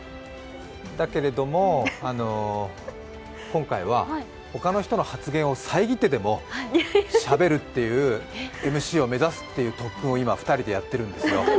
だけれども今回は他の人の発言を遮ってでもしゃべるっていうＭＣを目指すという特訓を今、２人でやっているんですよ。